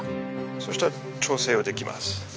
そしたら調整はできます。